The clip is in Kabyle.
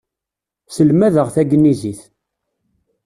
Selmadeɣ tagnizit.